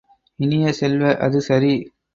இனிய செல்வ, அது சரி!